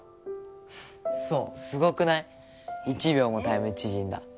ふふっそうすごくな１秒もタイム縮んだ。